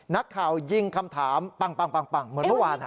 นักข่าวยิงคำถามปังเหมือนเมื่อวาน